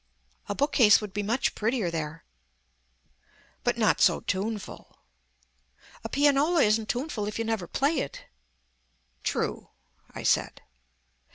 "A book case would be much prettier there." "But not so tuneful." "A pianola isn't tuneful if you never play it." "True," I said.